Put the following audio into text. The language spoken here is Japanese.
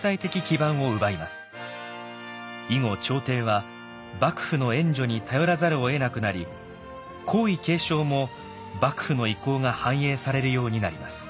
以後朝廷は幕府の援助に頼らざるをえなくなり皇位継承も幕府の意向が反映されるようになります。